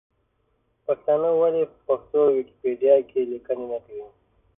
پښتانه ولې په پښتو ویکیپېډیا کې لیکنې نه کوي ؟